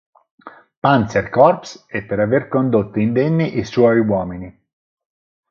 Panzer Corps e per aver condotto indenni i suoi uomini.